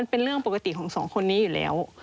เป็นเรื่องปกติของสองคนนี้อยู่แล้ว